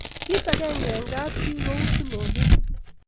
kit akenge eng kap jii ko u tulondok